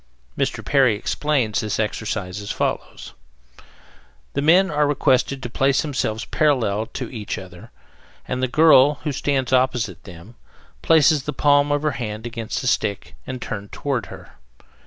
Mr. Perry explains this exercise as follows: The men are requested to place themselves parallel to each other, and the girl, who stands opposite them, places the palm of her hand against the stick and turned toward her.